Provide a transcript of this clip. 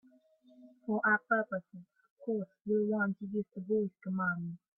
For our purposes, of course, we'll want to use a voice command.